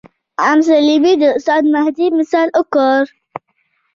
ام سلمې د استاد مهدي مثال ورکړ.